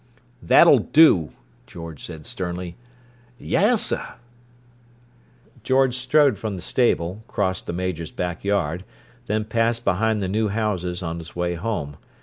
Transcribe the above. "That'll do!" George said sternly. "Yessuh!" George strode from the stable, crossed the Major's back yard, then passed behind the new houses, on his way home.